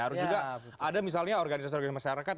harus juga ada misalnya organisasi organisasi masyarakat